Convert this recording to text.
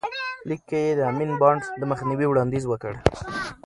لیک کې یې د امین بانډ د مخنیوي وړاندیز وکړ.